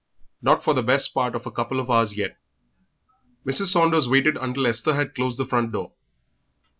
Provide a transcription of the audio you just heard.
"Not for the best part of a couple of hours yet." Mrs. Saunders waited until Esther had closed the front door.